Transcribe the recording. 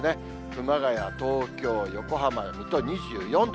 熊谷、東京、横浜、水戸が２４度。